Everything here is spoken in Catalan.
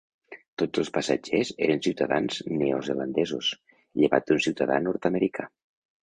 Tots els passatgers eren ciutadans neozelandesos, llevat d'un ciutadà nord-americà.